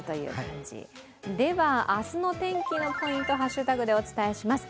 では、明日の天気のポイント、ハッシュタグでお伝えします。